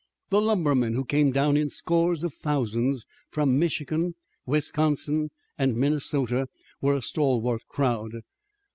The lumbermen who came down in scores of thousands from Michigan, Wisconsin and Minnesota, were a stalwart crowd.